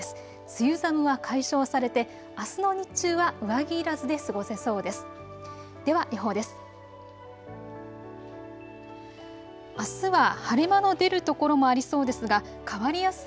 梅雨寒は解消されて、あすの日中は上着いらずで過ごせそうです。